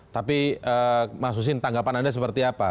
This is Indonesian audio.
tapi mas husin tanggapan anda seperti apa